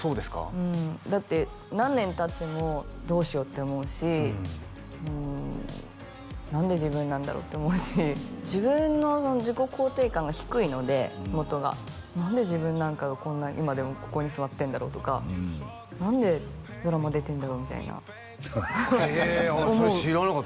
うんだって何年たってもどうしようって思うしうん何で自分なんだろう？って思うし自分の自己肯定感が低いので元が何で自分なんかがこんな今でもここに座ってんだろう？とか何でドラマ出てんだろう？みたいなへえあっそれ知らなかった